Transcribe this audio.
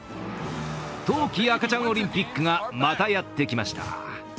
冬季赤ちゃんオリンピックがまたやってきました。